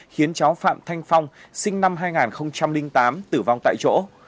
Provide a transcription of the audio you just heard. khiến cháu phạm thanh phong sinh năm hai nghìn tám tử vong tại chỗ